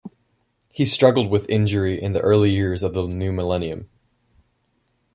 He struggled with injury in the early years of the new millennium.